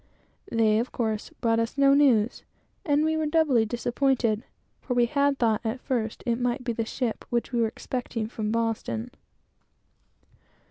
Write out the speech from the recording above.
They, of course, brought us no news, and we were doubly disappointed, for we had thought, at first, it might be the ship which we were expecting from Boston.